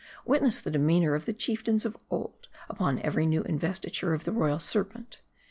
Witness the demeanor of the chieftains of old, upon every new investiture of the royal M A R D I. 239 serpent.